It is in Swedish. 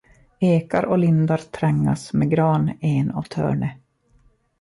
Ekar och lindar trängas med gran, en och törne.